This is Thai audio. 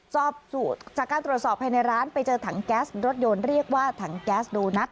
จากการตรวจสอบภายในร้านไปเจอถังแก๊สรถยนต์เรียกว่าถังแก๊สโดนัท